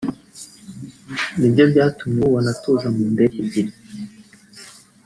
nibyo byatumye mubona tuza mu ndege ebyiri